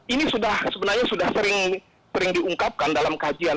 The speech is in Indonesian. ini sebenarnya sudah sering diungkapkan dalam kajian